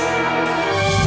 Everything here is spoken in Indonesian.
gue mau pergi ke rumah